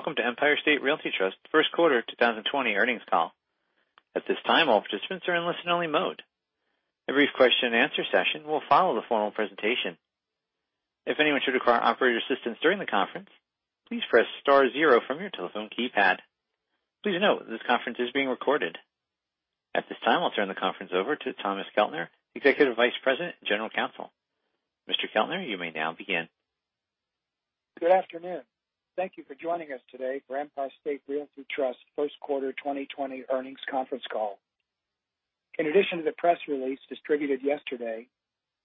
Greetings. Welcome to Empire State Realty Trust First Quarter 2020 Earnings Call. At this time, all participants are in listen only mode. A brief question and answer session will follow the formal presentation. If anyone should require operator assistance during the conference, please press star 0 from your telephone keypad. Please note this conference is being recorded. At this time, I'll turn the conference over to Thomas Keltner, Executive Vice President and General Counsel. Mr. Keltner, you may now begin. Good afternoon. Thank you for joining us today for Empire State Realty Trust First Quarter 2020 Earnings Conference Call. In addition to the press release distributed yesterday,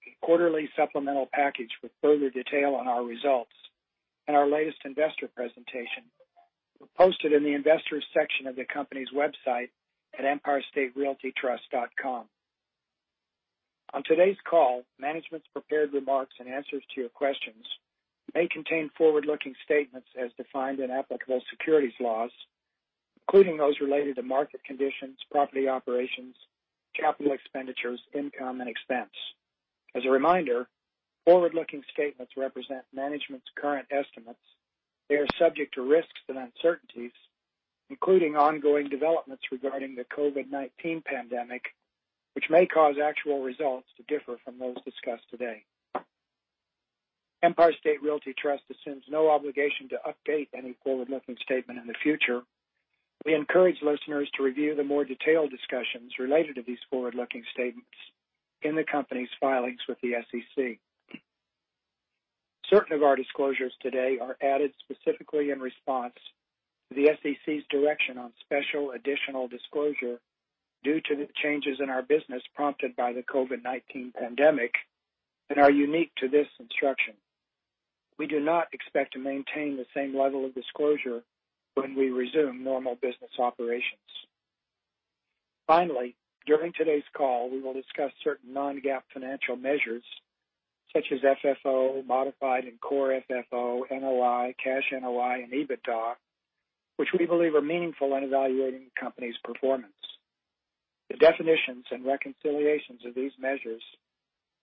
a quarterly supplemental package with further detail on our results and our latest investor presentation were posted in the investors section of the company's website at empirestaterealtytrust.com. On today's call, management's prepared remarks and answers to your questions may contain forward-looking statements as defined in applicable securities laws, including those related to market conditions, property operations, capital expenditures, income, and expense. As a reminder, forward-looking statements represent management's current estimates. They are subject to risks and uncertainties, including ongoing developments regarding the COVID-19 pandemic, which may cause actual results to differ from those discussed today. Empire State Realty Trust assumes no obligation to update any forward-looking statement in the future. We encourage listeners to review the more detailed discussions related to these forward-looking statements in the company's filings with the SEC. Certain of our disclosures today are added specifically in response to the SEC's direction on special additional disclosure due to the changes in our business prompted by the COVID-19 pandemic and are unique to this instruction. We do not expect to maintain the same level of disclosure when we resume normal business operations. During today's call, we will discuss certain non-GAAP financial measures such as FFO, modified and core FFO, NOI, cash NOI, and EBITDA, which we believe are meaningful in evaluating the company's performance. The definitions and reconciliations of these measures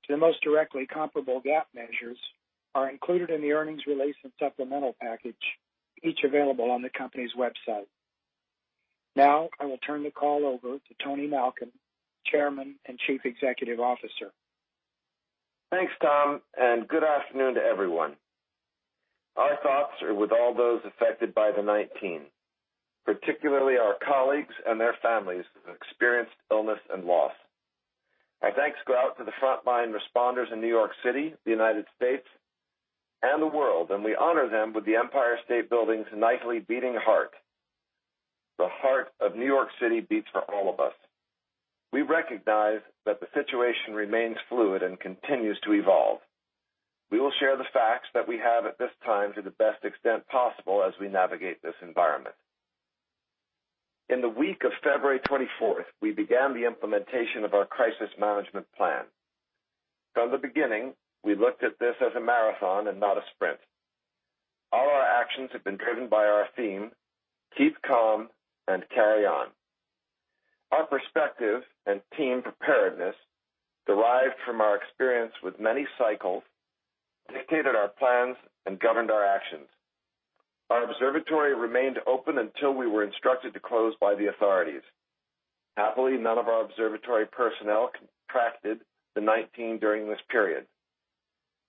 to the most directly comparable GAAP measures are included in the earnings release and supplemental package, each available on the company's website. Now I will turn the call over to Tony Malkin, Chairman and Chief Executive Officer. Thanks, Tom, and good afternoon to everyone. Our thoughts are with all those affected by the COVID-19, particularly our colleagues and their families who have experienced illness and loss. Our thanks go out to the frontline responders in New York City, the U.S., and the world, and we honor them with the Empire State Building's nightly beating heart. The heart of New York City beats for all of us. We recognize that the situation remains fluid and continues to evolve. We will share the facts that we have at this time to the best extent possible as we navigate this environment. In the week of February 24th, we began the implementation of our crisis management plan. From the beginning, we looked at this as a marathon and not a sprint. All our actions have been driven by our theme, keep calm and carry on. Our perspective and team preparedness, derived from our experience with many cycles, dictated our plans and governed our actions. Our observatory remained open until we were instructed to close by the authorities. Happily, none of our observatory personnel contracted COVID-19 during this period.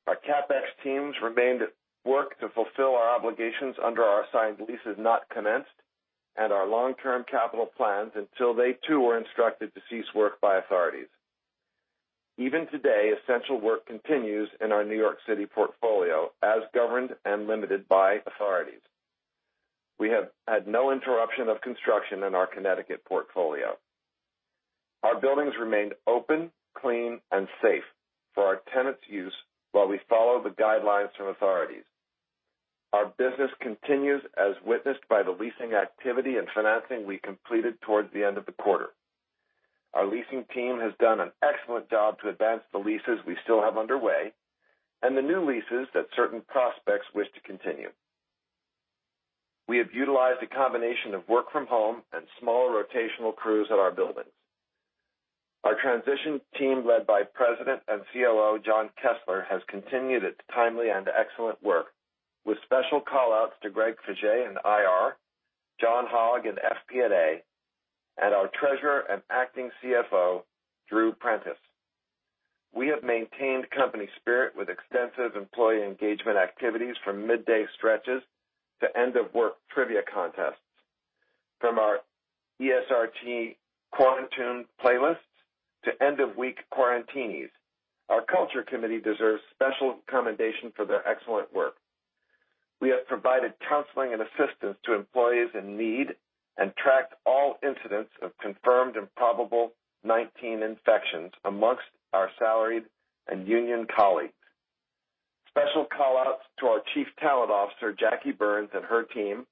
Our CapEx teams remained at work to fulfill our obligations under our signed leases not commenced and our long-term capital plans until they too were instructed to cease work by authorities. Even today, essential work continues in our New York City portfolio as governed and limited by authorities. We have had no interruption of construction in our Connecticut portfolio. Our buildings remained open, clean, and safe for our tenants' use while we follow the guidelines from authorities. Our business continues as witnessed by the leasing activity and financing we completed towards the end of the quarter. Our leasing team has done an excellent job to advance the leases we still have underway and the new leases that certain prospects wish to continue. We have utilized a combination of work from home and small rotational crews at our buildings. Our transition team, led by President and COO John Kessler, has continued its timely and excellent work, with special call-outs to Greg Faje in IR, John Hogg in FP&A, and our Treasurer and acting CFO, Drew Prentice. We have maintained company spirit with extensive employee engagement activities from midday stretches to end of work trivia contests, from our ESRT quarantune playlists to end of week quarantinis. Our culture committee deserves special commendation for their excellent work. We have provided counseling and assistance to employees in need and tracked all incidents of confirmed and probable COVID-19 infections amongst our salaried and union colleagues. Special call-outs to our Chief Talent Officer, Jackie Burns, and her team,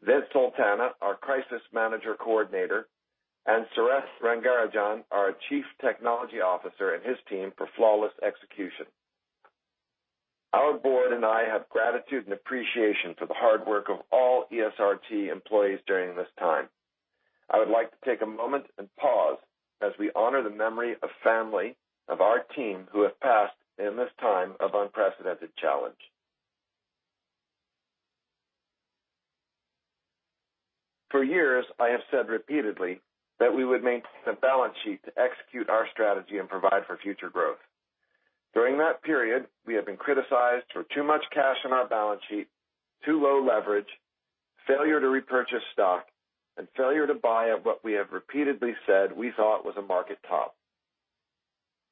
Vince Sultana, our Crisis Manager Coordinator, and Suresh Rangarajan, our Chief Technology Officer, and his team for flawless execution. Our Board and I have gratitude and appreciation for the hard work of all ESRT employees during this time. I would like to take a moment and pause as we honor the memory of family of our team who have passed in this time of unprecedented challenge. For years, I have said repeatedly that we would maintain a balance sheet to execute our strategy and provide for future growth. During that period, we have been criticized for too much cash on our balance sheet, too low leverage, failure to repurchase stock, and failure to buy at what we have repeatedly said we thought was a market top.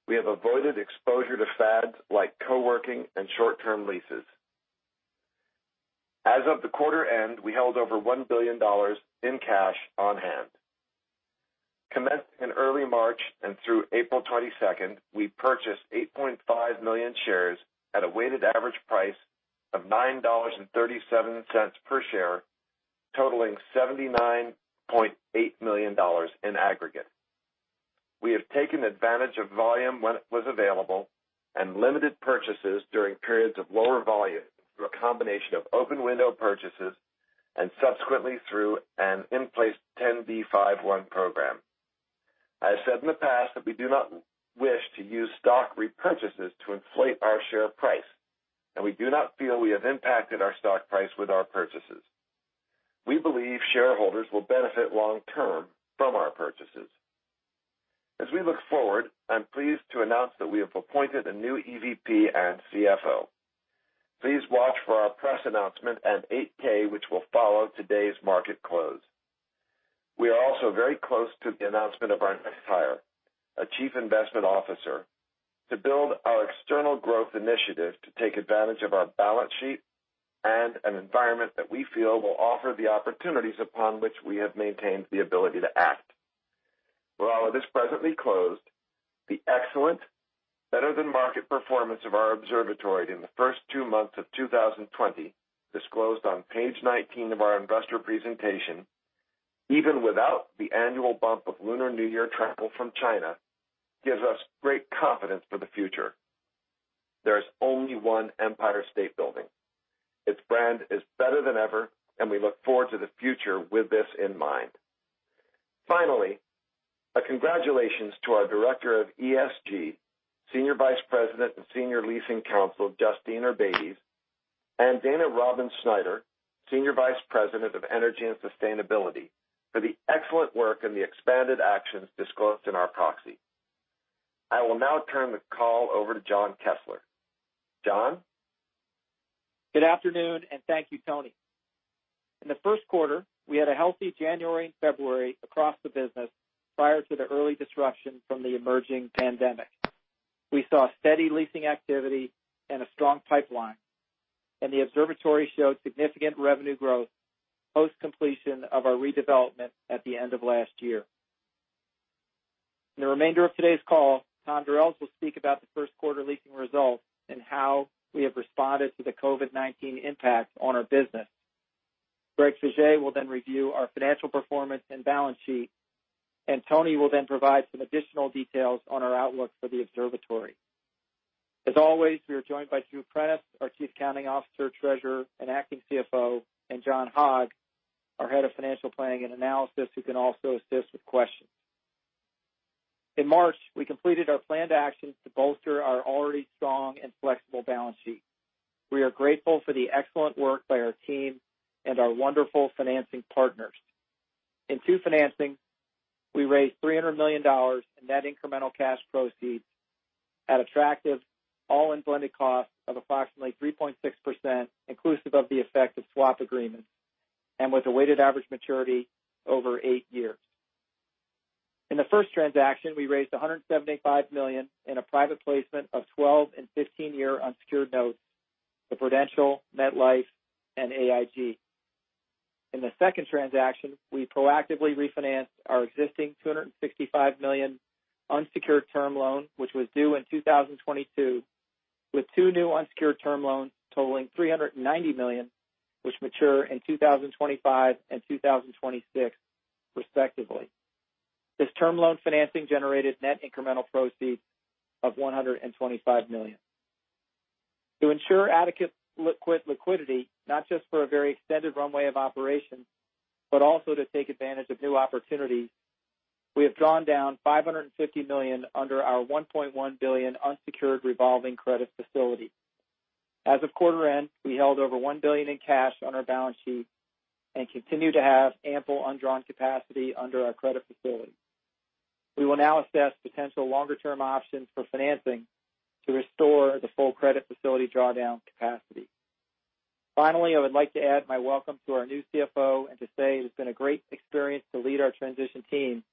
We have avoided exposure to fads like co-working and short-term leases. As of the quarter end, we held over $1 billion in cash on hand. Commencing in early March and through April 22nd, we purchased 8.5 million shares at a weighted average price of $9.37 per share, totaling $79.8 million in aggregate. We have taken advantage of volume when it was available and limited purchases during periods of lower volume through a combination of open window purchases and subsequently through an in-place 10b5-1 program. I have said in the past that we do not wish to use stock repurchases to inflate our share price, and we do not feel we have impacted our stock price with our purchases. We believe shareholders will benefit long term from our purchases. As we look forward, I am pleased to announce that we have appointed a new EVP and CFO. Please watch for our press announcement and 8-K, which will follow today's market close. We are also very close to the announcement of our next hire, a Chief Investment Officer, to build our external growth initiative to take advantage of our balance sheet and an environment that we feel will offer the opportunities upon which we have maintained the ability to act. While this presently closed, the excellent, better-than-market performance of our Observatory in the first two months of 2020, disclosed on page 19 of our investor presentation, even without the annual bump of Lunar New Year travel from China, gives us great confidence for the future. There is only one Empire State Building. Its brand is better than ever, and we look forward to the future with this in mind. Finally, a congratulations to our Director of ESG, Senior Vice President and Senior Leasing Counsel, Justine Urbaites, and Dana Robbins Schneider, Senior Vice President of Energy and Sustainability, for the excellent work and the expanded actions disclosed in our proxy. I will now turn the call over to John Kessler. John? Good afternoon. Thank you, Tony. In the first quarter, we had a healthy January and February across the business prior to the early disruption from the emerging pandemic. We saw steady leasing activity and a strong pipeline. The Observatory showed significant revenue growth post completion of our redevelopment at the end of last year. In the remainder of today's call, Tom Durels will speak about the first quarter leasing results and how we have responded to the COVID-19 impact on our business. Greg Faje will then review our financial performance and balance sheet. Tony will then provide some additional details on our outlook for the Observatory. As always, we are joined by Drew Prentice, our Chief Accounting Officer, Treasurer, and Acting Chief Financial Officer, and John Hogg, our Head of Financial Planning and Analysis, who can also assist with questions. In March, we completed our planned actions to bolster our already strong and flexible balance sheet. We are grateful for the excellent work by our team and our wonderful financing partners. In two financings, we raised $300 million in net incremental cash proceeds at attractive all-in blended cost of approximately 3.6%, inclusive of the effect of swap agreements, and with a weighted average maturity over eight years. In the first transaction, we raised $175 million in a private placement of 12 and 15-year unsecured notes to Prudential, MetLife, and AIG. In the second transaction, we proactively refinanced our existing $265 million unsecured term loan, which was due in 2022, with two new unsecured term loans totaling $390 million, which mature in 2025 and 2026, respectively. This term loan financing generated net incremental proceeds of $125 million. To ensure adequate liquidity, not just for a very extended runway of operations, but also to take advantage of new opportunities, we have drawn down $550 million under our $1.1 billion unsecured revolving credit facility. As of quarter end, we held over $1 billion in cash on our balance sheet and continue to have ample undrawn capacity under our credit facility. We will now assess potential longer-term options for financing to restore the full credit facility drawdown capacity. Finally, I would like to add my welcome to our new CFO and to say it has been a great experience to lead our transition team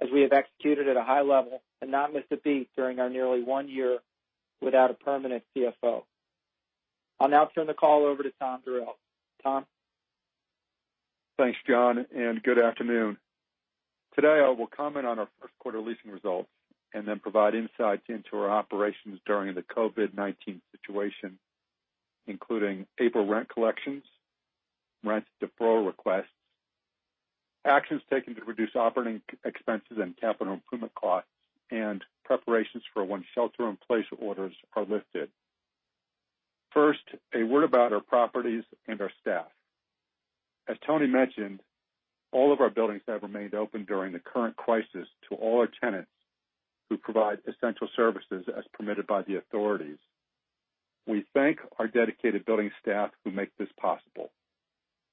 as we have executed at a high level and not missed a beat during our nearly one year without a permanent CFO. I'll now turn the call over to Tom Durels. Tom? Thanks, John, and good afternoon. Today, I will comment on our first quarter leasing results and then provide insights into our operations during the COVID-19 situation, including April rent collections, rent deferral requests, actions taken to reduce operating expenses and capital improvement costs, and preparations for when shelter-in-place orders are lifted. First, a word about our properties and our staff. As Tony mentioned, all of our buildings have remained open during the current crisis to all our tenants who provide essential services as permitted by the authorities. We thank our dedicated building staff who make this possible.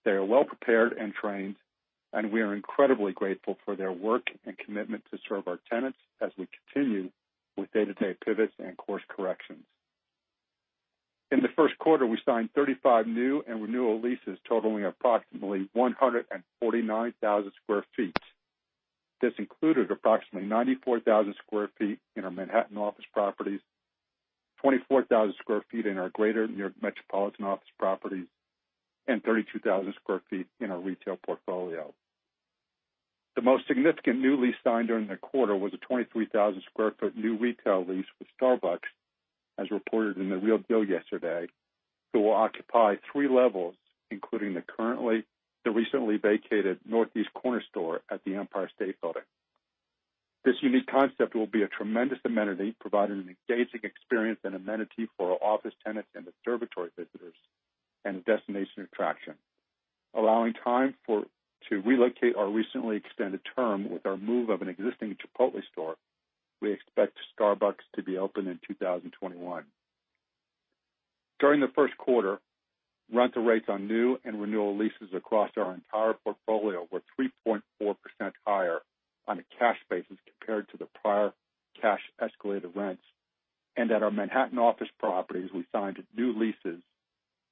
They are well prepared and trained, and we are incredibly grateful for their work and commitment to serve our tenants as we continue with day-to-day pivots and course corrections. In the first quarter, we signed 35 new and renewal leases totaling approximately 149,000 sq ft. This included approximately 94,000 sq ft in our Manhattan office properties, 24,000 sq ft in our greater New York metropolitan office properties, and 32,000 sq ft in our retail portfolio. The most significant new lease signed during the quarter was a 23,000 sq ft new retail lease with Starbucks, as reported in The Real Deal yesterday, who will occupy three levels, including the recently vacated northeast corner store at the Empire State Building. This unique concept will be a tremendous amenity, providing an engaging experience and amenity for our office tenants and observatory visitors, and a destination attraction. Allowing time to relocate our recently extended term with our move of an existing Chipotle store, we expect Starbucks to be open in 2021. During the first quarter, rental rates on new and renewal leases across our entire portfolio were 3.4% higher on a cash basis compared to the prior cash escalated rents. At our Manhattan office properties, we signed new leases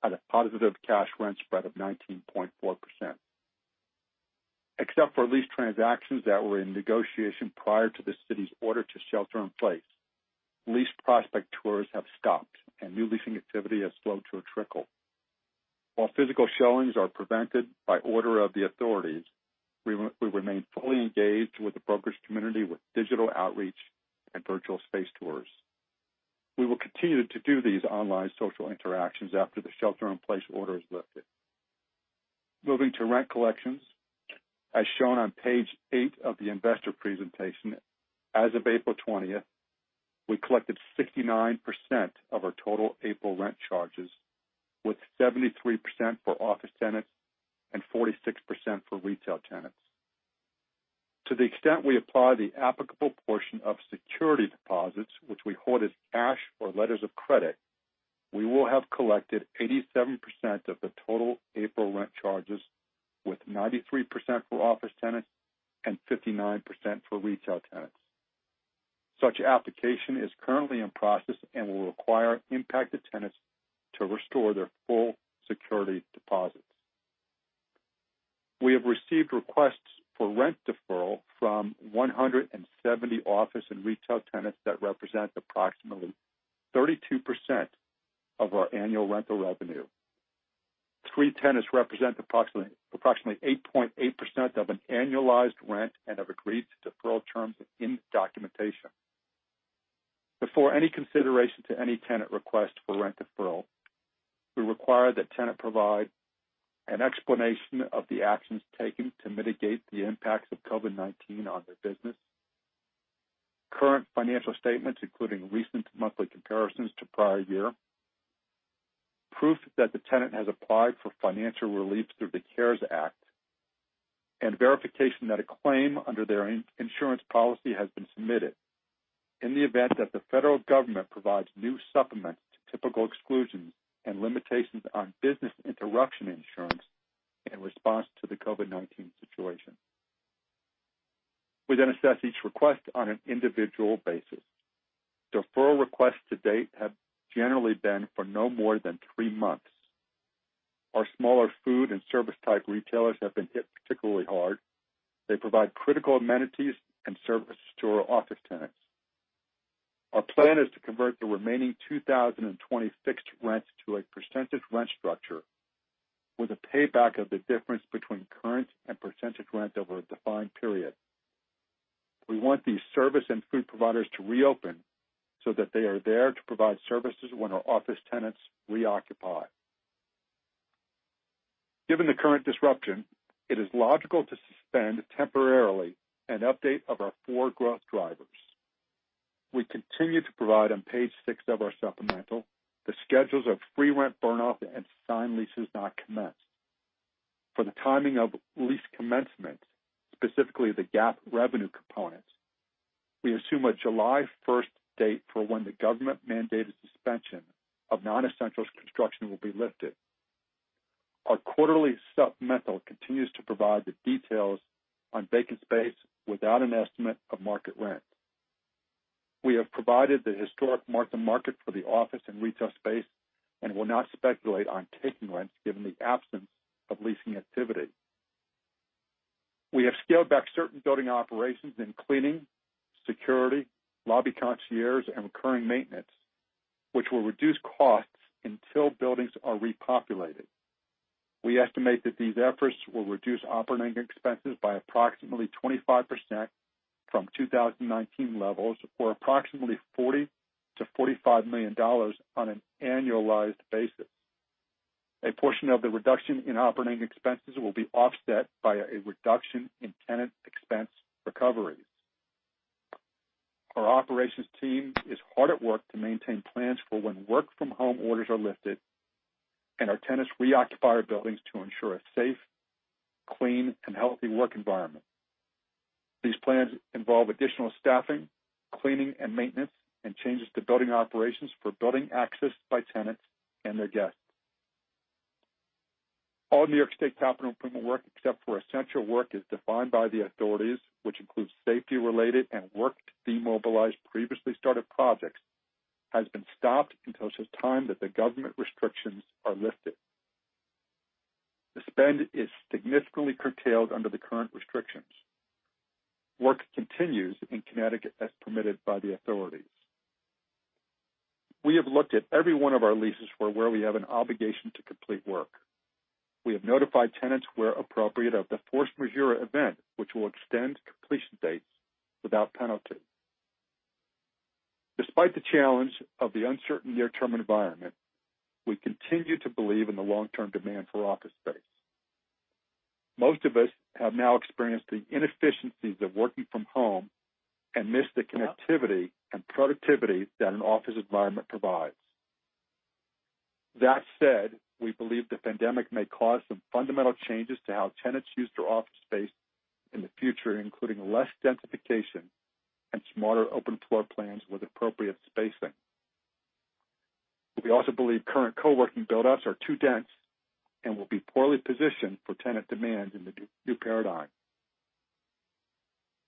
at a positive cash rent spread of 19.4%. Except for lease transactions that were in negotiation prior to the city's order to shelter in place, lease prospect tours have stopped, and new leasing activity has slowed to a trickle. While physical showings are prevented by order of the authorities, we remain fully engaged with the brokerage community with digital outreach and virtual space tours. We will continue to do these online social interactions after the shelter in place order is lifted. Moving to rent collections. As shown on page eight of the investor presentation, as of April 20th, we collected 69% of our total April rent charges, with 73% for office tenants and 46% for retail tenants. To the extent we apply the applicable portion of security deposits, which we hold as cash or letters of credit, we will have collected 87% of the total April rent charges, with 93% for office tenants and 59% for retail tenants. Such application is currently in process and will require impacted tenants to restore their full security deposits. We have received requests for rent deferral from 170 office and retail tenants that represent approximately 32% of our annual rental revenue. Three tenants represent approximately 8.8% of an annualized rent and have agreed to deferral terms within the documentation. Before any consideration to any tenant request for rent deferral, we require that tenant provide an explanation of the actions taken to mitigate the impacts of COVID-19 on their business, current financial statements, including recent monthly comparisons to prior year, proof that the tenant has applied for financial relief through the CARES Act, and verification that a claim under their insurance policy has been submitted in the event that the federal government provides new supplements to typical exclusions and limitations on business interruption insurance in response to the COVID-19 situation. We assess each request on an individual basis. Deferral requests to date have generally been for no more than three months. Our smaller food and service type retailers have been hit particularly hard. They provide critical amenities and services to our office tenants. Our plan is to convert the remaining 2020 fixed rents to a percentage rent structure with a payback of the difference between current and percentage rent over a defined period. We want these service and food providers to reopen so that they are there to provide services when our office tenants reoccupy. Given the current disruption, it is logical to suspend temporarily an update of our four growth drivers. We continue to provide on page six of our supplemental, the schedules of free rent burn-off and signed leases not commenced. For the timing of lease commencement, specifically the GAAP revenue component, we assume a July 1st date for when the government-mandated suspension of non-essential construction will be lifted. Our quarterly supplemental continues to provide the details on vacant space without an estimate of market rent. We have provided the historic market for the office and retail space and will not speculate on taking rents given the absence of leasing activity. We have scaled back certain building operations in cleaning, security, lobby concierges, and recurring maintenance, which will reduce costs until buildings are repopulated. We estimate that these efforts will reduce operating expenses by approximately 25% from 2019 levels, or approximately $40 million-$45 million on an annualized basis. A portion of the reduction in operating expenses will be offset by a reduction in tenant expense recovery. Our operations team is hard at work to maintain plans for when work from home orders are lifted and our tenants reoccupy our buildings to ensure a safe, clean, and healthy work environment. These plans involve additional staffing, cleaning, and maintenance, and changes to building operations for building access by tenants and their guests. All New York State capital improvement work, except for essential work as defined by the authorities, which includes safety-related and work to demobilize previously started projects, has been stopped until such time that the government restrictions are lifted. The spend is significantly curtailed under the current restrictions. Work continues in Connecticut as permitted by the authorities. We have looked at every one of our leases where we have an obligation to complete work. We have notified tenants where appropriate of the force majeure event, which will extend completion dates without penalty. Despite the challenge of the uncertain near-term environment, we continue to believe in the long-term demand for office space. Most of us have now experienced the inefficiencies of working from home and miss the connectivity and productivity that an office environment provides. That said, we believe the pandemic may cause some fundamental changes to how tenants use their office space in the future, including less densification and smarter open floor plans with appropriate spacing. We also believe current co-working builouts are too dense and will be poorly positioned for tenant demand in the new paradigm.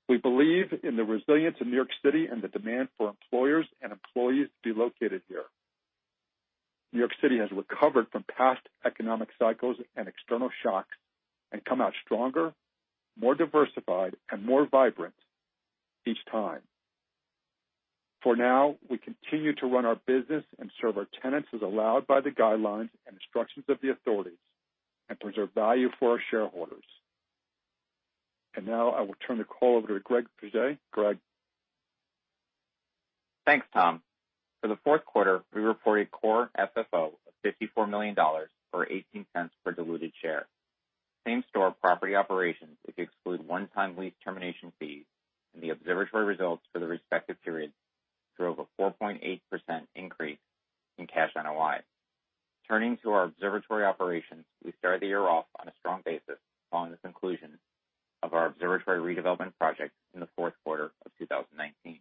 We believe in the resilience of New York City and the demand for employers and employees to be located here. New York City has recovered from past economic cycles and external shocks and come out stronger, more diversified, and more vibrant each time. For now, we continue to run our business and serve our tenants as allowed by the guidelines and instructions of the authorities and preserve value for our shareholders. Now I will turn the call over to Greg Faje. Greg? Thanks, Tom. For the fourth quarter, we reported core FFO of $54 million, or $0.18 per diluted share. Same-store property operations, if you exclude one-time lease termination fees and the Observatory results for the respective period, drove a 4.8% increase in cash NOI. Turning to our Observatory operations, we started the year off on a strong basis following the conclusion of our Observatory redevelopment project in the fourth quarter of 2019.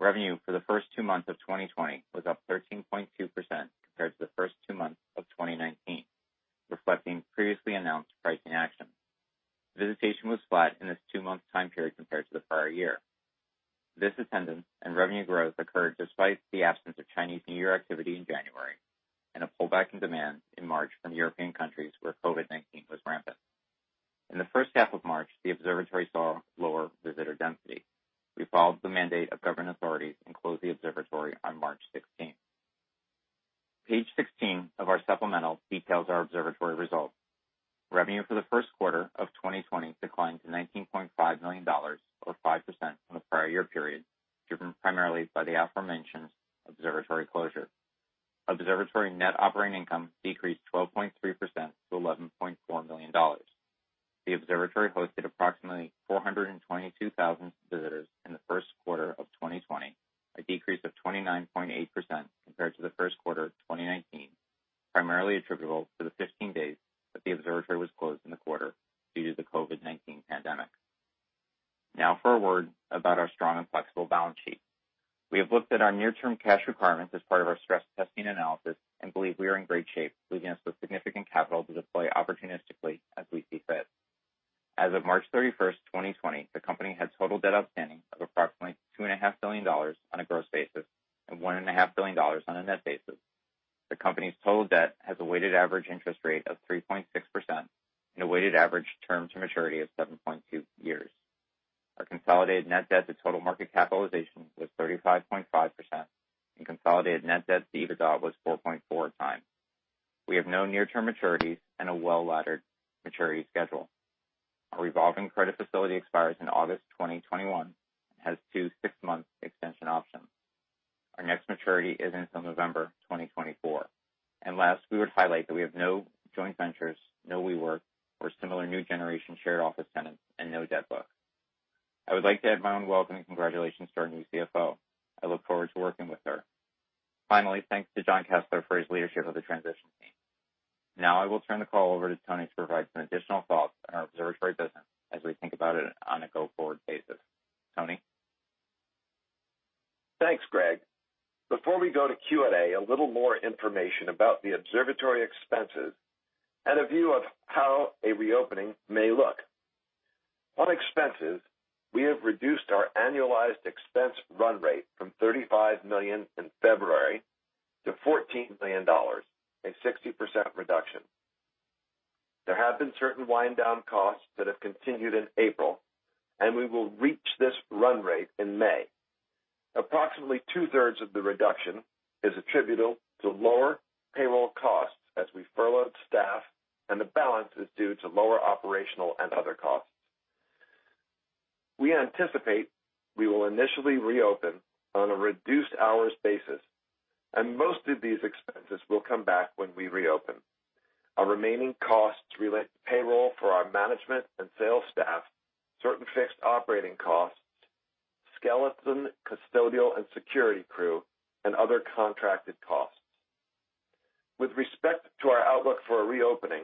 Revenue for the first two months of 2020 was up 13.2% compared to the first two months of 2019, reflecting previously announced pricing actions. Visitation was flat in this two-month time period compared to the prior year. This attendance and revenue growth occurred despite the absence of Chinese New Year activity in January and a pullback in demand in March from European countries where COVID-19 was rampant. In the first half of March, the Observatory saw and a view of how a reopening may look. On expenses, we have reduced our annualized expense run rate from $35 million in February to $14 million, a 60% reduction. There have been certain wind-down costs that have continued in April, and we will reach this run rate in May. Approximately two-thirds of the reduction is attributable to lower payroll costs as we furloughed staff, and the balance is due to lower operational and other costs. We anticipate we will initially reopen on a reduced hours basis, and most of these expenses will come back when we reopen. Our remaining costs relate to payroll for our management and sales staff, certain fixed operating costs, skeleton custodial and security crew, and other contracted costs. With respect to our outlook for a reopening,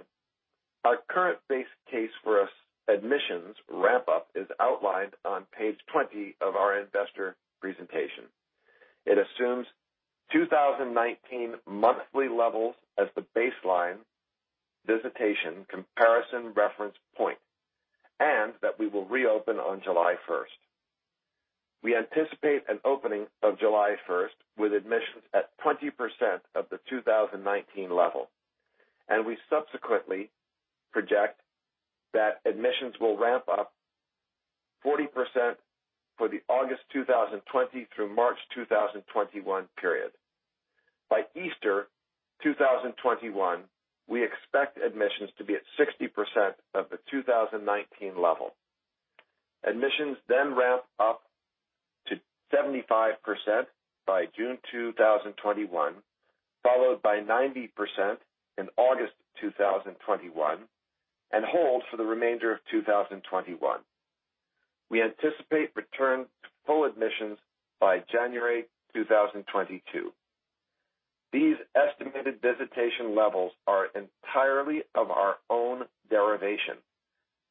our current base case for admissions ramp-up is outlined on page 20 of our investor presentation. It assumes 2019 monthly levels as the baseline visitation comparison reference point, and that we will reopen on July 1st. We anticipate an opening of July 1st with admissions at 20% of the 2019 level, and we subsequently project that admissions will ramp up 40% for the August 2020 through March 2021 period. By Easter 2021, we expect admissions to be at 60% of the 2019 level. Admissions ramp up to 75% by June 2021, followed by 90% in August 2021, and hold for the remainder of 2021. We anticipate return to full admissions by January 2022. These estimated visitation levels are entirely of our own derivation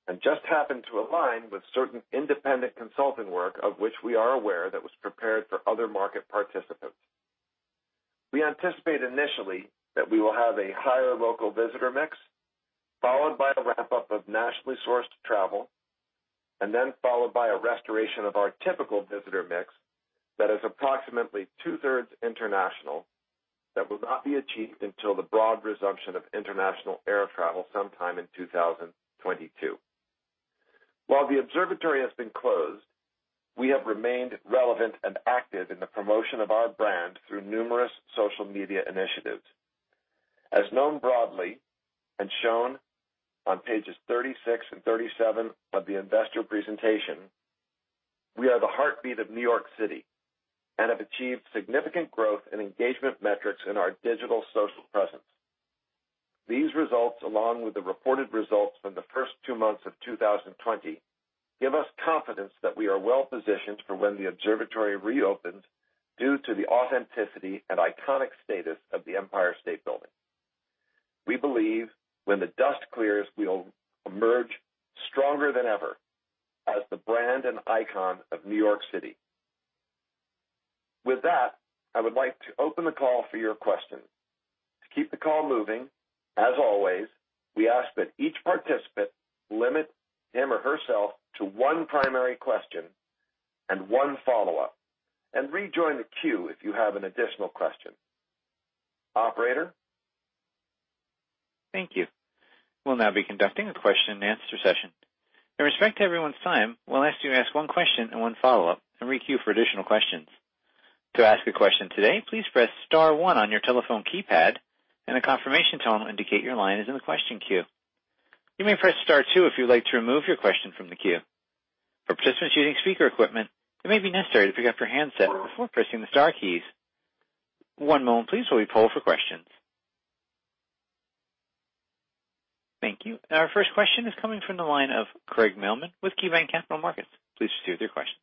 and just happen to align with certain independent consulting work of which we are aware that was prepared for other market participants. We anticipate initially that we will have a higher local visitor mix, followed by a ramp-up of nationally sourced travel, followed by a restoration of our typical visitor mix that is approximately two-thirds international that will not be achieved until the broad resumption of international air travel sometime in 2022. While the observatory has been closed, we have remained relevant and active in the promotion of our brand through numerous social media initiatives. As known broadly and shown on pages 36 and 37 of the investor presentation, we are the heartbeat of New York City and have achieved significant growth in engagement metrics in our digital social presence. These results, along with the reported results from the first two months of 2020, give us confidence that we are well-positioned for when the Observatory reopens due to the authenticity and iconic status of the Empire State Building. We believe when the dust clears, we'll emerge stronger than ever as the brand and icon of New York City. With that, I would like to open the call for your questions. To keep the call moving, as always, we ask that each participant limit him or herself to one primary question and one follow-up, and rejoin the queue if you have an additional question. Operator? Thank you. We'll now be conducting a question and answer session. In respect to everyone's time, we'll ask you to ask one question and one follow-up, and re-queue for additional questions. To ask a question today, please press star one on your telephone keypad, and a confirmation tone will indicate your line is in the question queue. You may press star two if you'd like to remove your question from the queue. For participants using speaker equipment, it may be necessary to pick up your handset before pressing the star keys. One moment please while we poll for questions. Thank you. Our first question is coming from the line of Craig Mailman with KeyBanc Capital Markets. Please proceed with your question.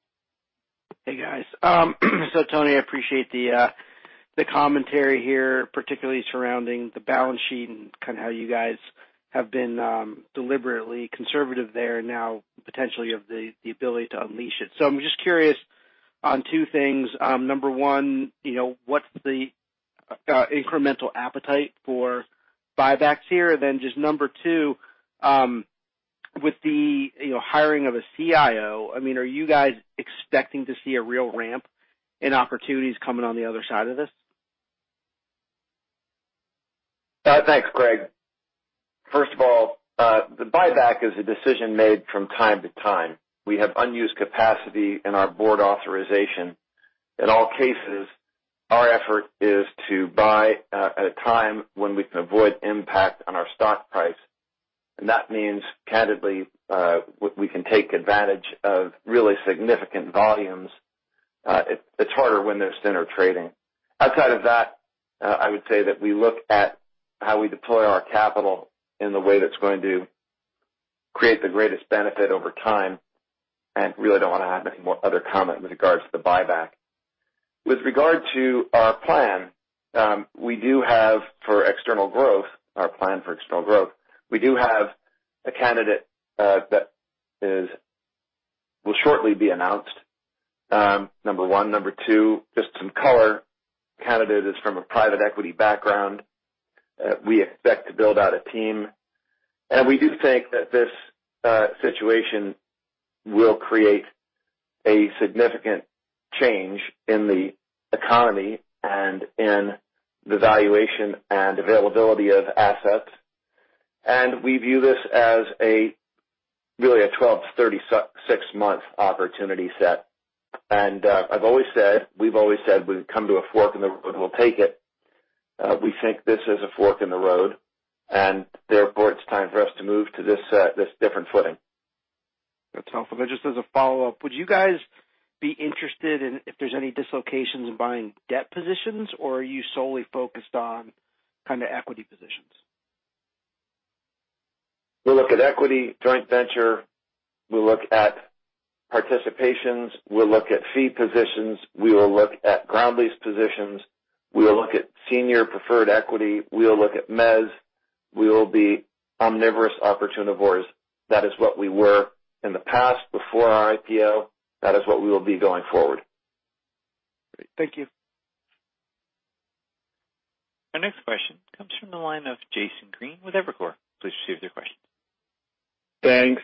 Hey, guys. Tony, I appreciate the commentary here, particularly surrounding the balance sheet and kind of how you guys have been deliberately conservative there now potentially have the ability to unleash it. I'm just curious on two things. Number one, what's the incremental appetite for buybacks here? Just number two, with the hiring of a CIO, are you guys expecting to see a real ramp in opportunities coming on the other side of this? Thanks, Craig. First of all, the buyback is a decision made from time to time. We have unused capacity in our board authorization. In all cases, our effort is to buy at a time when we can avoid impact on our stock price. That means, candidly, we can take advantage of really significant volumes. It's harder when there's thinner trading. Outside of that, I would say that we look at how we deploy our capital in the way that's going to create the greatest benefit over time, and really don't want to have any more other comment with regards to the buyback. With regard to our plan for external growth, we do have a candidate that will shortly be announced, number one. Number two, just some color, candidate is from a private equity background. We expect to build out a team, and we do think that this situation will create a significant change in the economy and in the valuation and availability of assets. We view this as really a 12-36-month opportunity set. I've always said, we've always said, when we come to a fork in the road, we'll take it. We think this is a fork in the road, and therefore, it's time for us to move to this different footing. That's helpful. Just as a follow-up, would you guys be interested in if there's any dislocations in buying debt positions, or are you solely focused on equity positions? We'll look at equity, joint venture. We'll look at participations. We'll look at fee positions. We will look at ground lease positions. We will look at senior preferred equity. We will look at mezz. We will be omnivorous opportunivores. That is what we were in the past, before our IPO. That is what we will be going forward. Great. Thank you. Our next question comes from the line of Jason Green with Evercore. Please proceed with your question. Thanks.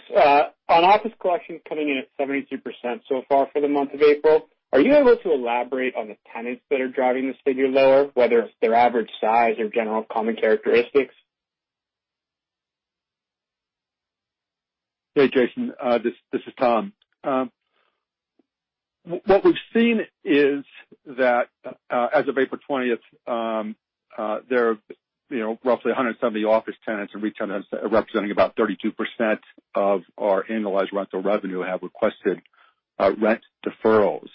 On office collections coming in at 73% so far for the month of April, are you able to elaborate on the tenants that are driving this figure lower, whether it's their average size or general common characteristics? Hey, Jason. This is Tom. What we've seen is that as of April 20th, there are roughly 170 office tenants and retail tenants representing about 32% of our annualized rental revenue have requested rent deferrals.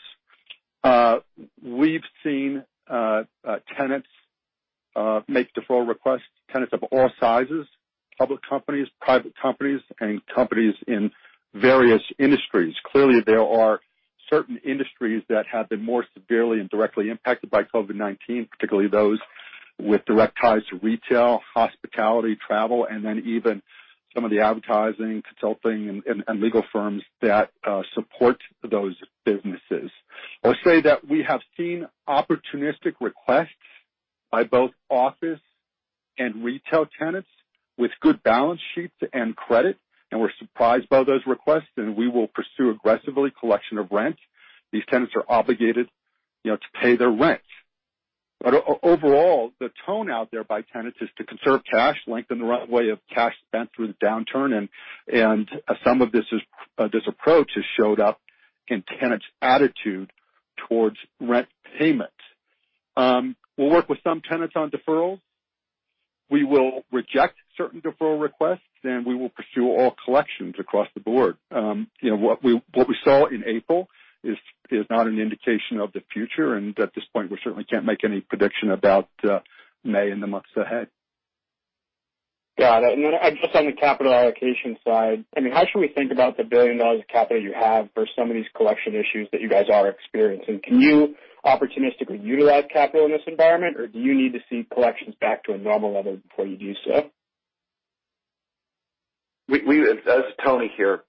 We've seen tenants make deferral requests, tenants of all sizes, public companies, private companies, and companies in various industries. Clearly, there are certain industries that have been more severely and directly impacted by COVID-19, particularly those with direct ties to retail, hospitality, travel, and then even some of the advertising, consulting, and legal firms that support those businesses. I'll say that we have seen opportunistic requests by both office and retail tenants with good balance sheets and credit, and we're surprised by those requests, and we will pursue aggressively collection of rent. These tenants are obligated to pay their rent. Overall, the tone out there by tenants is to conserve cash, lengthen the runway of cash spent through the downturn, and some of this approach has showed up in tenants' attitude towards rent payment. We'll work with some tenants on deferrals. We will reject certain deferral requests, and we will pursue all collections across the board. What we saw in April is not an indication of the future, and at this point, we certainly can't make any prediction about May and the months ahead. Got it. Just on the capital allocation side, how should we think about the $1 billion of capital you have for some of these collection issues that you guys are experiencing? Can you opportunistically utilize capital in this environment, or do you need to see collections back to a normal level before you do so? This is Tony here.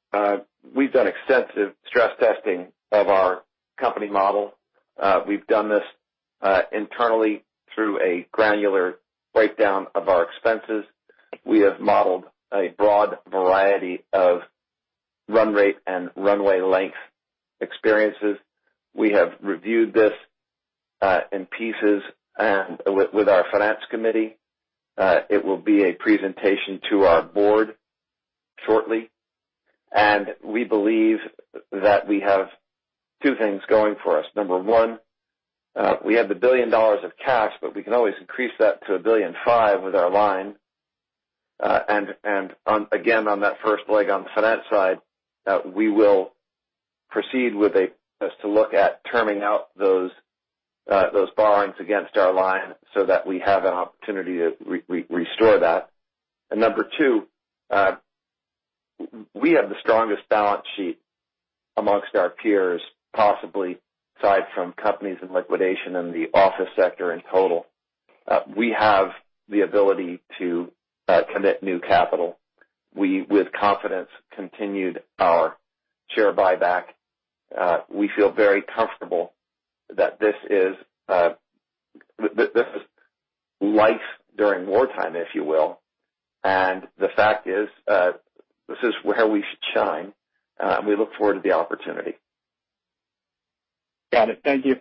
We've done extensive stress testing of our company model. We've done this internally through a granular breakdown of our expenses. We have modeled a broad variety of run rate and runway length experiences. We have reviewed this in pieces and with our finance committee. It will be a presentation to our board shortly. We believe that we have two things going for us. Number one, we have the $1 billion of cash, but we can always increase that to $1 billion and $5 with our line. Again, on that first leg on the finance side, we will proceed to look at terming out those borrowings against our line so that we have an opportunity to restore that. Number two, we have the strongest balance sheet amongst our peers, possibly aside from companies in liquidation in the office sector in total. We have the ability to commit new capital. We, with confidence, continued our share buyback. We feel very comfortable that this is life during wartime, if you will, and the fact is, this is where we should shine, and we look forward to the opportunity. Got it. Thank you.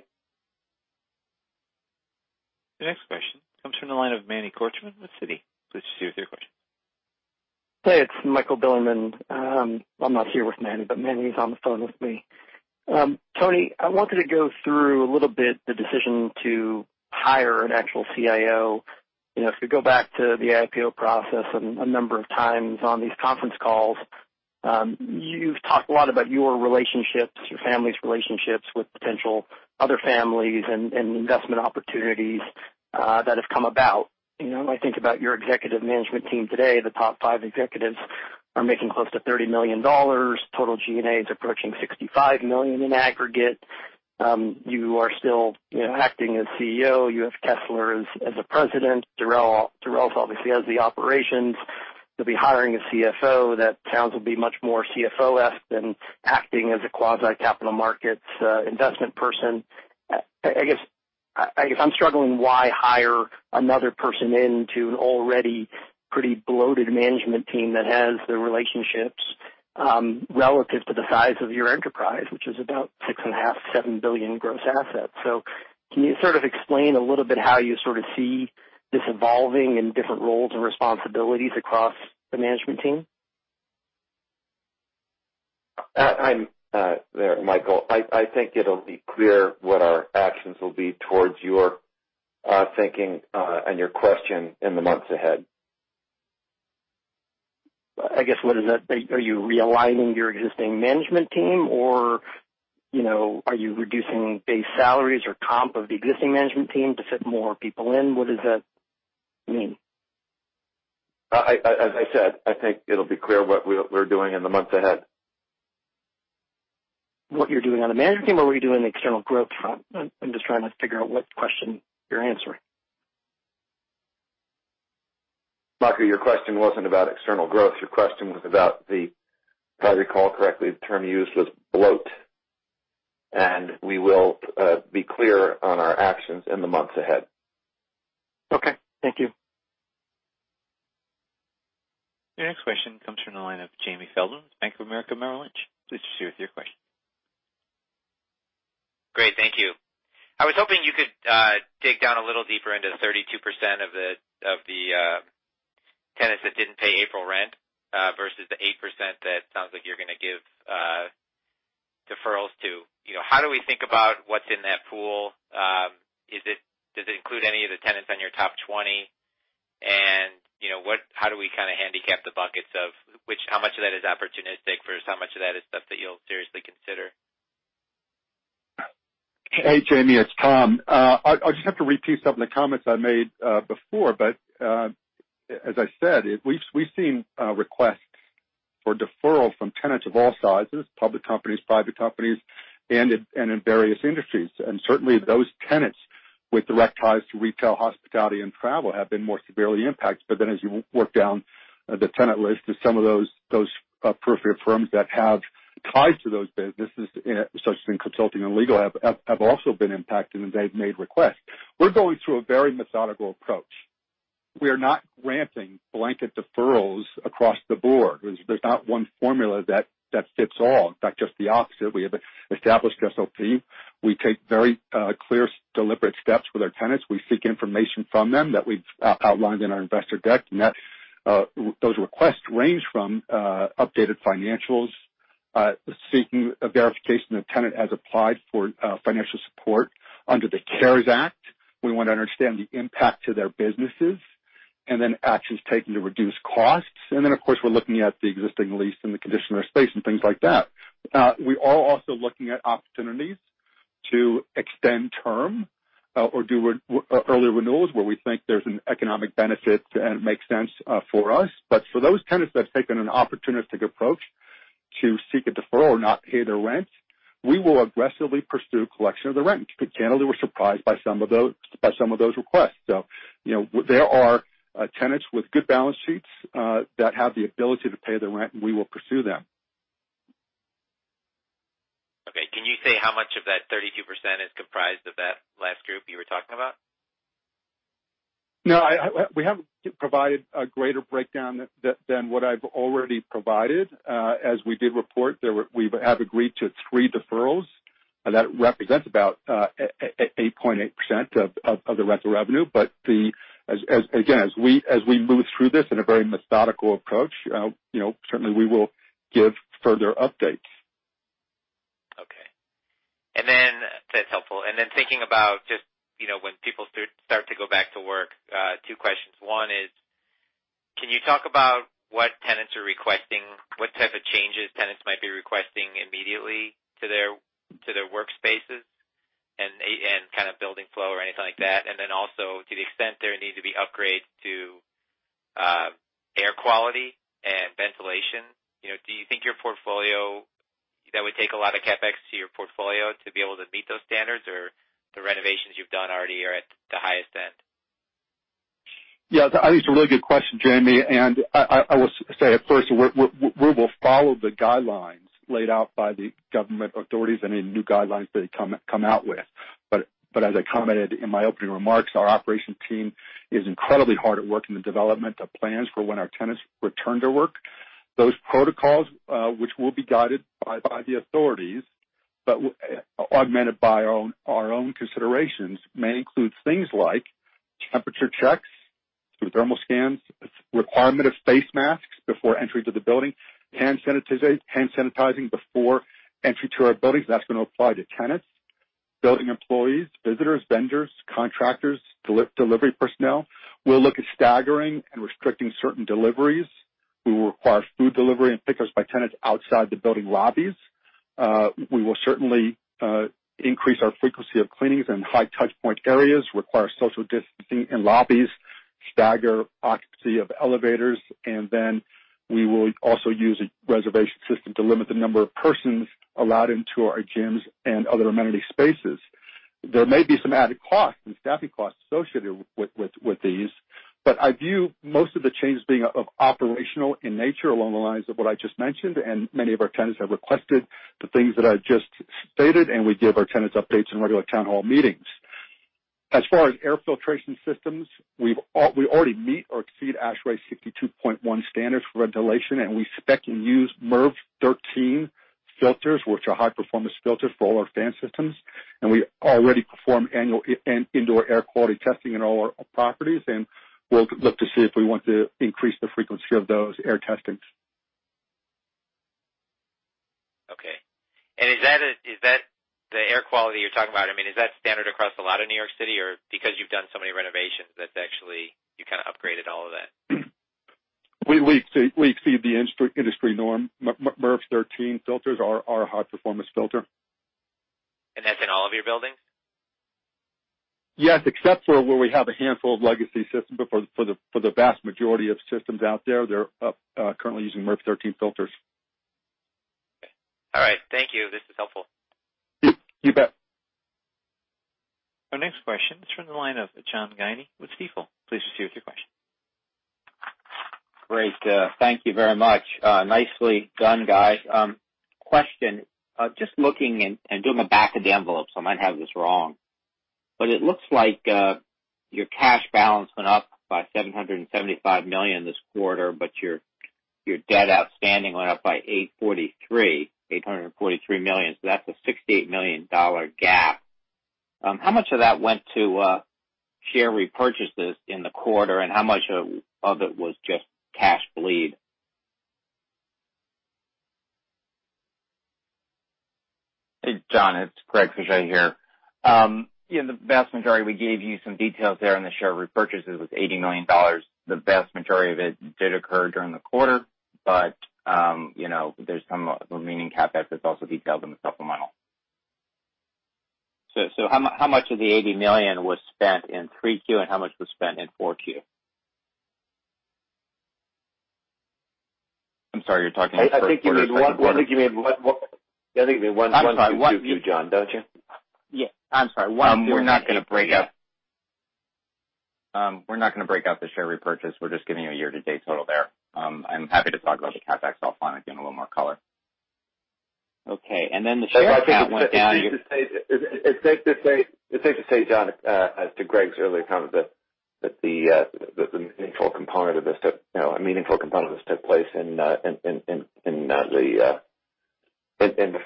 The next question comes from the line of Manny Korchman with Citi. Please proceed with your question. Hey, it's Michael Bilerman. I'm not here with Manny, but Manny's on the phone with me. Tony, I wanted to go through a little bit the decision to hire an actual CIO. If we go back to the IPO process, a number of times on these conference calls, you've talked a lot about your relationships, your family's relationships with potential other families and investment opportunities that have come about. When I think about your executive management team today, the top five executives are making close to $30 million. Total G&A is approaching $65 million in aggregate. You are still acting as CEO. You have Kessler as the President. Durels obviously has the operations. You'll be hiring a CFO that sounds will be much more CFO-esque than acting as a quasi-capital markets investment person. I guess I'm struggling why hire another person into an already pretty bloated management team that has the relationships relative to the size of your enterprise, which is about $6.5 billion, $7 billion in gross assets. Can you sort of explain a little bit how you sort of see this evolving and different roles and responsibilities across the management team? Michael, I think it'll be clear what our actions will be towards your. Our thinking, and your question in the months ahead. I guess, what is that? Are you realigning your existing management team or are you reducing base salaries or comp of the existing management team to fit more people in? What does that mean? As I said, I think it'll be clear what we're doing in the months ahead. What you're doing on the management team, or what you're doing on the external growth front? I'm just trying to figure out what question you're answering. Michael, your question wasn't about external growth. Your question was about the, if I recall correctly, the term used was bloat. We will be clear on our actions in the months ahead. Okay. Thank you. Your next question comes from the line of Jamie Feldman, Bank of America Merrill Lynch. Please proceed with your question. Great. Thank you. I was hoping you could dig down a little deeper into the 32% of the tenants that didn't pay April rent versus the 8% that sounds like you're going to give deferrals to. How do we think about what's in that pool? Does it include any of the tenants on your top 20? How do we kind of handicap the buckets of how much of that is opportunistic versus how much of that is stuff that you'll seriously consider? Hey, Jamie, it's Tom. I just have to repeat some of the comments I made before. As I said, we've seen requests for deferral from tenants of all sizes, public companies, private companies, and in various industries. Certainly, those tenants with direct ties to retail, hospitality, and travel have been more severely impacted. As you work down the tenant list to some of those peripheral firms that have ties to those businesses, such as in consulting and legal, have also been impacted, and they've made requests. We're going through a very methodical approach. We are not granting blanket deferrals across the board. There's not one formula that fits all. In fact, just the opposite. We have established SOP. We take very clear, deliberate steps with our tenants. We seek information from them that we've outlined in our investor deck. Those requests range from updated financials, seeking verification the tenant has applied for financial support under the CARES Act. We want to understand the impact to their businesses, actions taken to reduce costs. Of course, we're looking at the existing lease and the condition of their space and things like that. We are also looking at opportunities to extend term or do early renewals where we think there's an economic benefit and it makes sense for us. For those tenants that have taken an opportunistic approach to seek a deferral or not pay their rent, we will aggressively pursue collection of the rent. To be candid, we were surprised by some of those requests. There are tenants with good balance sheets that have the ability to pay their rent, and we will pursue them. Okay. Can you say how much of that 32% is comprised of that last group you were talking about? No. We haven't provided a greater breakdown than what I've already provided. As we did report, we have agreed to three deferrals. That represents about 8.8% of the rental revenue. Again, as we move through this in a very methodical approach, certainly we will give further updates. Okay. That's helpful. Thinking about just when people start to go back to work, two questions. One is, can you talk about what tenants are requesting? What type of changes tenants might be requesting immediately to their workspaces and kind of building flow or anything like that? Also, to the extent there needs to be upgrades to air quality and ventilation, do you think that would take a lot of CapEx to your portfolio to be able to meet those standards? The renovations you've done already are at the highest end? Yeah. I think it's a really good question, Jamie, and I will say, of course, we will follow the guidelines laid out by the government authorities, any new guidelines that they come out with. As I commented in my opening remarks, our operations team is incredibly hard at work in the development of plans for when our tenants return to work. Those protocols which will be guided by the authorities, but augmented by our own considerations, may include things like temperature checks through thermal scans, requirement of face masks before entry to the building, hand sanitizing before entry to our buildings. That's going to apply to tenants, building employees, visitors, vendors, contractors, delivery personnel. We'll look at staggering and restricting certain deliveries. We will require food delivery and pickups by tenants outside the building lobbies. We will certainly increase our frequency of cleanings in high touch point areas, require social distancing in lobbies, stagger occupancy of elevators, and then we will also use a reservation system to limit the number of persons allowed into our gyms and other amenity spaces. There may be some added costs and staffing costs associated with these. I view most of the changes being of operational in nature along the lines of what I just mentioned, and many of our tenants have requested the things that I just stated, and we give our tenants updates in regular town hall meetings. As far as air filtration systems, we already meet or exceed ASHRAE 62.1 standards for ventilation, and we spec and use MERV 13 filters, which are high performance filters for all our fan systems. We already perform annual indoor air quality testing in all our properties, and we'll look to see if we want to increase the frequency of those air testings. Is that the air quality you're talking about, is that standard across a lot of New York City? Because you've done so many renovations, that's actually, you upgraded all of that? We exceed the industry norm. MERV 13 filters are a high-performance filter. That's in all of your buildings? Yes, except for where we have a handful of legacy systems. For the vast majority of systems out there, they're currently using MERV 13 filters. All right. Thank you. This is helpful. You bet. Our next question is from the line of John Guinee with Stifel. Please proceed with your question. Great. Thank you very much. Nicely done, guys. Question, just looking and doing the back of the envelope, so I might have this wrong, it looks like your cash balance went up by $775 million this quarter, your debt outstanding went up by $843 million. That's a $68 million gap. How much of that went to share repurchases in the quarter, and how much of it was just cash bleed? Hey, John, it's Greg Faje here. The vast majority, we gave you some details there on the share repurchases was $80 million. The vast majority of it did occur during the quarter, there's some remaining CapEx that's also detailed in the supplemental. How much of the $80 million was spent in 3Q, and how much was spent in 4Q? I'm sorry, you're talking the first quarter, second quarter? Yes. I think once..... I think you mean one, two, John, don't you? Yeah. I'm sorry. We're not going to break out the share repurchase. We're just giving you a year-to-date total there. I'm happy to talk about the CapEx offline and give a little more color. Okay. The share count went down. It's safe to say, John, as to Greg's earlier comment, that the meaningful component of this took place in the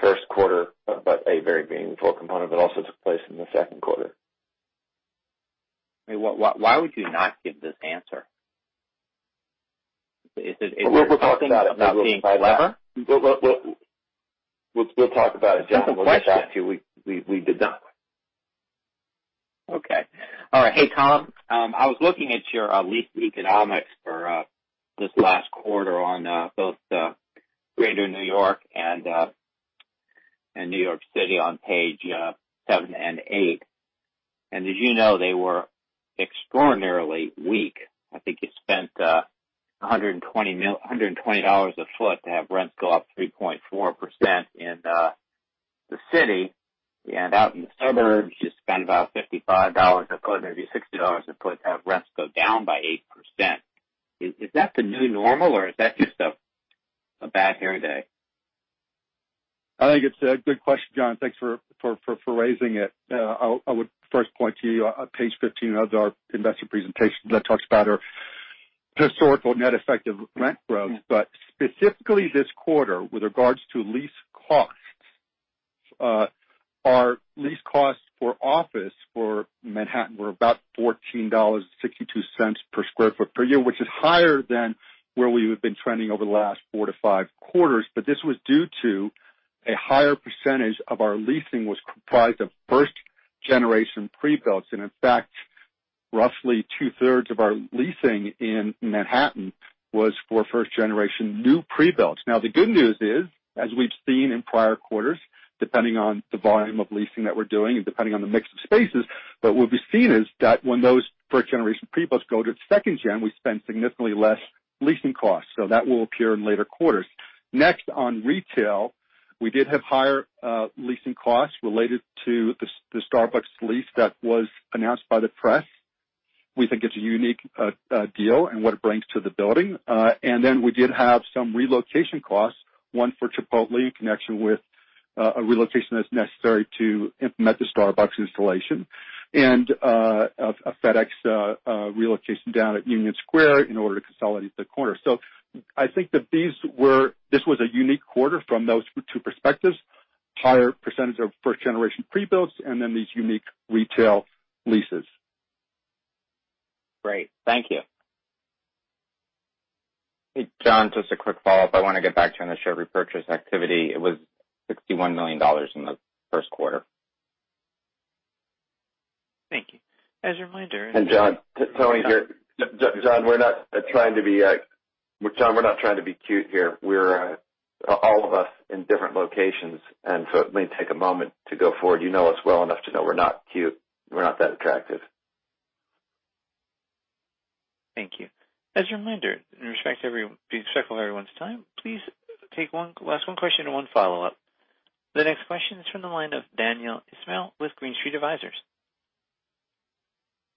first quarter, but a very meaningful component also took place in the second quarter. Why would you not give this answer? Is it something about being clever? We'll talk about it, John. It's a question. When we get back to you. We did not. Okay. All right. Hey, Tom, I was looking at your lease economics for this last quarter on both Greater New York and New York City on page seven and eight. Did you know they were extraordinarily weak? I think you spent $120 a foot to have rents go up 3.4% in the city. Out in the suburbs, you spend about $55 a foot, maybe $60 a foot, to have rents go down by 8%. Is that the new normal, or is that just a bad hair day? I think it's a good question, John. Thanks for raising it. I would first point to you page 15 of our investor presentation that talks about our historical net effective rent growth. Specifically this quarter, with regards to lease costs, our lease costs for office for Manhattan were about $14.62 per sq ft per year, which is higher than where we have been trending over the last four to five quarters. This was due to a higher percentage of our leasing was comprised of first-generation pre-builds. In fact, roughly two-thirds of our leasing in Manhattan was for first-generation new pre-builds. The good news is, as we've seen in prior quarters, depending on the volume of leasing that we're doing and depending on the mix of spaces, but we've seen is that when those first-generation pre-builds go to second gen, we spend significantly less leasing costs. That will appear in later quarters. On retail, we did have higher leasing costs related to the Starbucks lease that was announced by the press. We think it's a unique deal and what it brings to the building. We did have some relocation costs, one for Chipotle in connection with a relocation that's necessary to implement the Starbucks installation. A FedEx relocation down at Union Square in order to consolidate the corner. I think that this was a unique quarter from those two perspectives, higher percentage of first-generation pre-builds and then these unique retail leases. Great. Thank you. Hey, John, just a quick follow-up. I want to get back to on the share repurchase activity. It was $61 million in the first quarter. Thank you, as a reminder... John, Tony here. John, we're not trying to be cute here. We're all of us in different locations, and so it may take a moment to go forward. You know us well enough to know we're not cute. We're not that attractive. Thank you. As a reminder, in respect of everyone's time, please take one last one question and one follow-up. The next question is from the line of Daniel Ismail with Green Street Advisors.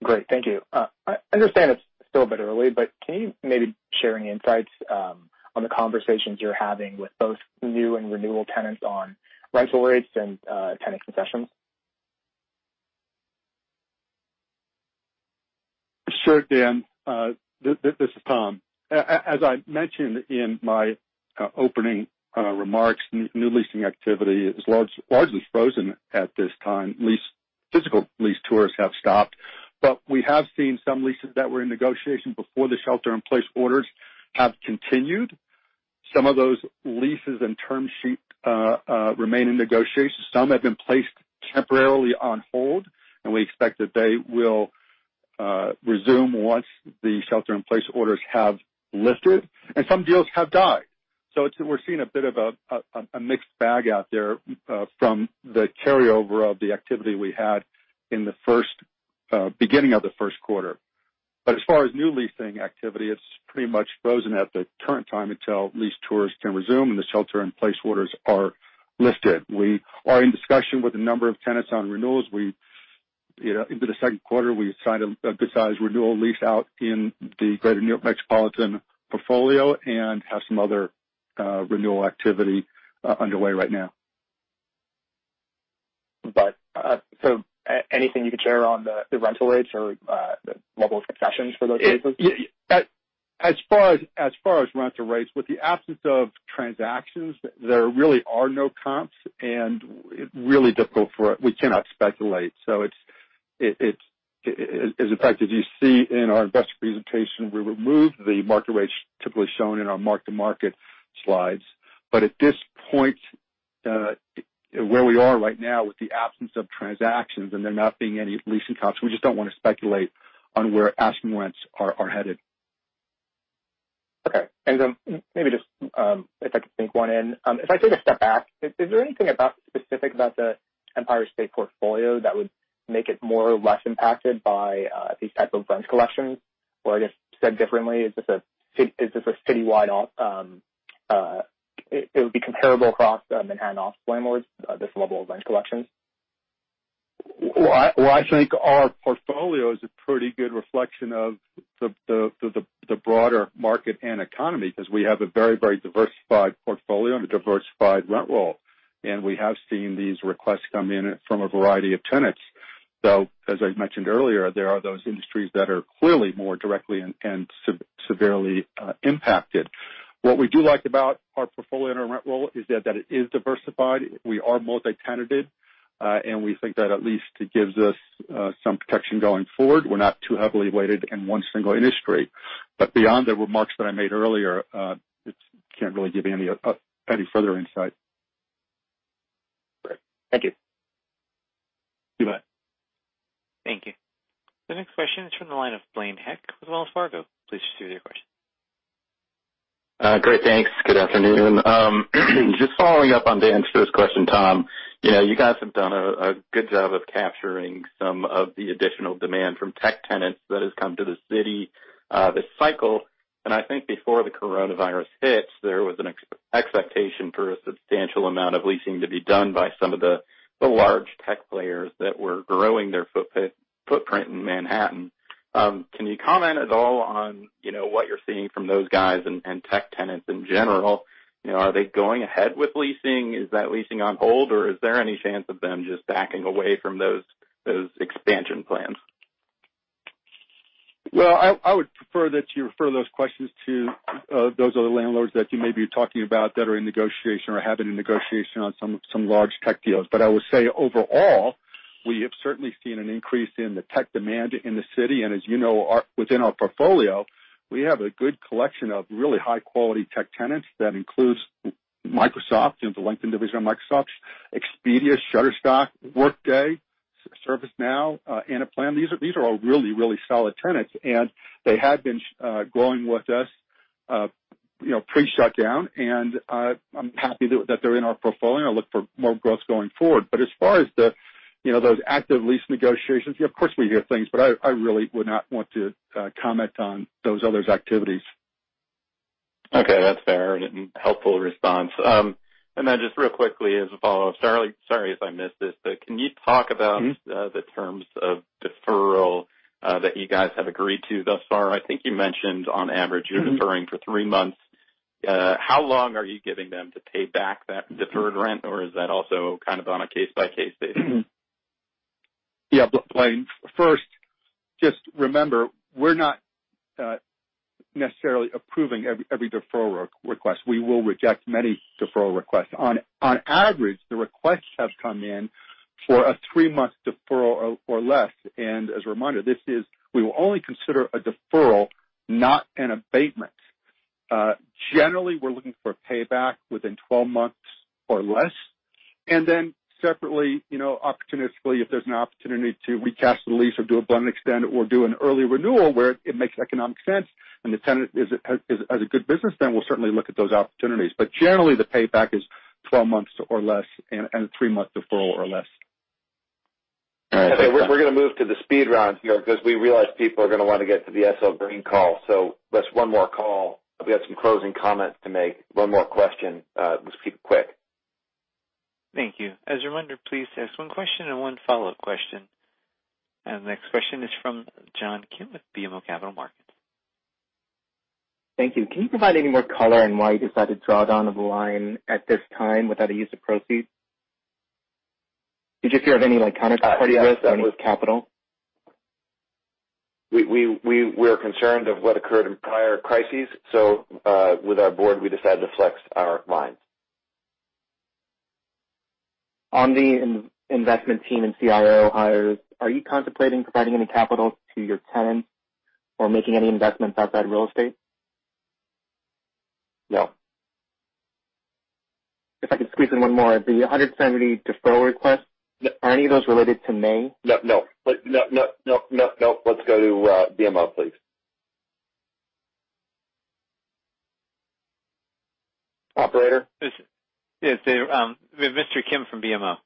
Great. Thank you. I understand it's still a bit early, but can you maybe share any insights on the conversations you're having with both new and renewal tenants on rental rates and tenant concessions? Sure, Dan. This is Tom. As I mentioned in my opening remarks, new leasing activity is largely frozen at this time. Lease tours have stopped, but we have seen some leases that were in negotiation before the shelter-in-place orders have continued. Some of those leases and term sheets remain in negotiation. Some have been placed temporarily on hold, and we expect that they will resume once the shelter-in-place orders have lifted, and some deals have died. We're seeing a bit of a mixed bag out there from the carryover of the activity we had in the beginning of the first quarter. As far as new leasing activity, it's pretty much frozen at the current time until lease tours can resume, and the shelter-in-place orders are lifted. We are in discussion with a number of tenants on renewals. Into the second quarter, we signed a decent sized renewal lease out in the greater New York metropolitan portfolio and have some other renewal activity underway right now. Anything you can share on the rental rates or the level of concessions for those leases? As far as rental rates, with the absence of transactions, there really are no comps. We cannot speculate. As you see in our investor presentation, we removed the market rates typically shown in our mark-to-market slides. At this point, where we are right now with the absence of transactions and there not being any leasing comps, we just don't want to speculate on where asking rents are headed. Okay. Maybe just if I could sneak one in. If I take a step back, is there anything specific about the Empire State portfolio that would make it more or less impacted by these types of rent collections? Just said differently, is this a citywide It would be comparable across Manhattan office landlords, this level of rent collections? I think our portfolio is a pretty good reflection of the broader market and economy because we have a very diversified portfolio and a diversified rent roll. We have seen these requests come in from a variety of tenants. As I mentioned earlier, there are those industries that are clearly more directly and severely impacted. What we do like about our portfolio and our rent roll is that it is diversified. We are multi-tenanted, and we think that at least it gives us some protection going forward. We're not too heavily weighted in one single industry. Beyond the remarks that I made earlier, I can't really give any further insight. Great. Thank you. You bet. Thank you. The next question is from the line of Blaine Heck with Wells Fargo. Please proceed with your question. Great, thanks. Good afternoon. Just following up on Daniel's first question, Tom. You guys have done a good job of capturing some of the additional demand from tech tenants that has come to the city this cycle. I think before the COVID-19 hit, there was an expectation for a substantial amount of leasing to be done by some of the large tech players that were growing their footprint in Manhattan. Can you comment at all on what you're seeing from those guys and tech tenants in general? Are they going ahead with leasing? Is that leasing on hold, or is there any chance of them just backing away from those expansion plans? Well, I would prefer that you refer those questions to those other landlords that you may be talking about that are in negotiation or have been in negotiation on some large tech deals. I will say overall, we have certainly seen an increase in the tech demand in the city, and as you know, within our portfolio, we have a good collection of really high-quality tech tenants. That includes Microsoft, the LinkedIn division of Microsoft, Expedia, Shutterstock, Workday, ServiceNow, Anaplan. These are all really solid tenants, and they had been going with us pre-shutdown, and I'm happy that they're in our portfolio, and I look for more growth going forward. As far as those active lease negotiations, of course, we hear things, I really would not want to comment on those others' activities. Okay, that's fair and a helpful response. Then just real quickly as a follow-up. Sorry if I missed this, can you talk about the terms of deferral that you guys have agreed to thus far? I think you mentioned on average. You're deferring for three months. How long are you giving them to pay back that deferred rent? Is that also kind of on a case-by-case basis? Yeah, Blaine. First, just remember, we're not necessarily approving every deferral request. We will reject many deferral requests. On average, the requests have come in for a three-month deferral or less. As a reminder, we will only consider a deferral, not an abatement. Generally, we're looking for payback within 12 months or less. Separately, opportunistically, if there's an opportunity to recast the lease or do a blend and extend or do an early renewal where it makes economic sense and the tenant has a good business, then we'll certainly look at those opportunities. Generally, the payback is 12 months or less and a three-month deferral or less. All right. Okay. We're going to move to the speed round here because we realize people are going to want to get to the SL Green call. Just one more call. We have some closing comments to make. One more question. Let's keep it quick. Thank you. As a reminder, please ask one question and one follow-up question. The next question is from John Kim with BMO Capital Markets. Thank you. Can you provide any more color on why you decided to draw down the line at this time without a use of proceeds? Did you hear of any counterparty risk with capital? We're concerned of what occurred in prior crises. With our Board, we decided to flex our lines. On the investment team and CIO hires, are you contemplating providing any capital to your tenants or making any investments outside real estate? No. If I could squeeze in one more. The 170 deferral requests, are any of those related to May? No. Let's go to BMO, please. Operator? Yes. We have Mr. Kim from BMO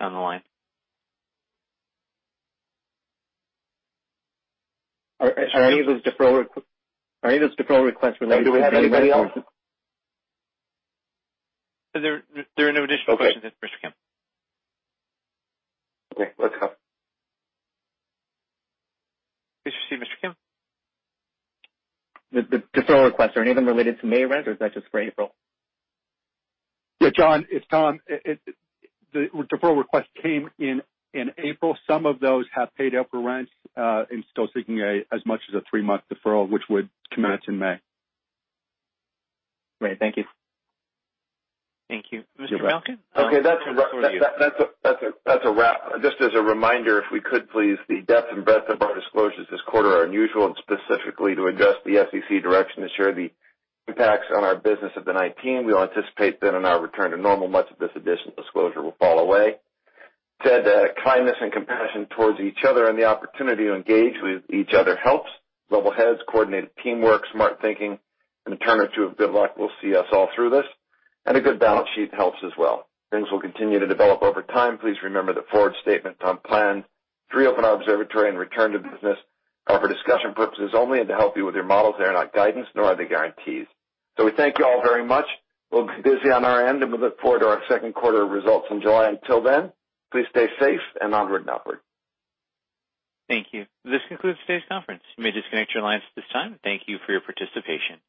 on the line. Are any of those deferral requests related to anybody else's? Do we have anybody else? There are no additional questions at this, Mr. Kim. Okay. Let's go. Proceed, Mr. Kim. The deferral requests, are any of them related to May rent, or is that just for April? Yeah, John, it's Tom. The deferral request came in April. Some of those have paid April rents, and still seeking as much as a three-month deferral, which would commence in May. Great. Thank you. Thank you. Mr. Malkin? Okay. That's a wrap. Just as a reminder, if we could please, the depth and breadth of our disclosures this quarter are unusual, and specifically to address the SEC direction to share the impacts on our business of the 19. We anticipate then on our return to normal, much of this additional disclosure will fall away. Said that, kindness and compassion towards each other and the opportunity to engage with each other helps. Level heads, coordinated teamwork, smart thinking, and a turn or two of good luck will see us all through this. A good balance sheet helps as well. Things will continue to develop over time. Please remember that forward statement on plans to reopen our observatory and return to business are for discussion purposes only and to help you with your models. They are not guidance, nor are they guarantees. We thank you all very much. We'll be busy on our end, and we look forward to our second quarter results in July. Until then, please stay safe and onward and upward. Thank you. This concludes today's conference. You may disconnect your lines at this time. Thank you for your participation.